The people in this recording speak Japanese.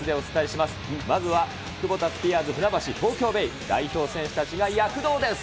まずはクボタスピアーズ船橋・東京ベイ、代表選手たちが躍動です。